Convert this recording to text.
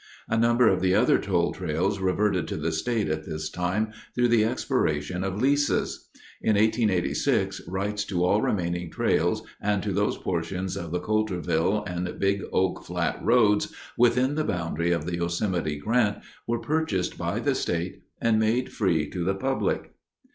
A number of the other toll trails reverted to the state at this time through the expiration of leases. In 1886 rights to all remaining trails and to those portions of the Coulterville and Big Oak Flat roads within the boundary of the Yosemite Grant were purchased by the state and made free to the public.